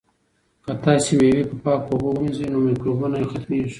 که تاسي مېوې په پاکو اوبو ومینځئ نو مکروبونه یې ختمیږي.